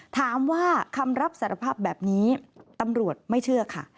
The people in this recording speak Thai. คำรับสารภาพแบบนี้ตำรวจไม่เชื่อค่ะ